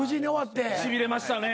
しびれましたね。